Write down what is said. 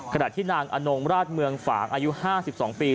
ขณะที่นางอนงราชเมืองฝางอายุ๕๒ปี